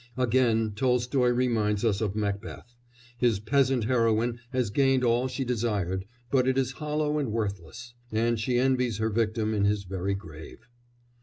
Again Tolstoy reminds us of Macbeth; his peasant heroine has gained all she desired, but it is hollow and worthless, and she envies her victim in his very grave.